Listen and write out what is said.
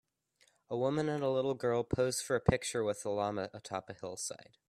A woman and a little girl pose for a picture with a llama atop a hillside.